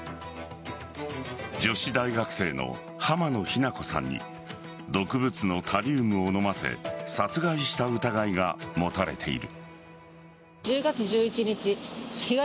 女子大学生の濱野日菜子さんに毒物のタリウムを飲ませ殺害した疑いが持たれている。